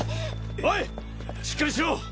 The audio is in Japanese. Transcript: おいしっかりしろ！